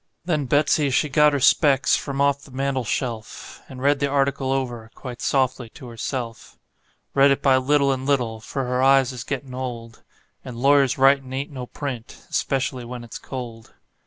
Then Betsey she got her specs from off the mantel shelf, And read the article over quite softly to herself; Read it by little and little, for her eyes is gettin' old, And lawyers' writin' ain't no print, especially when it's cold.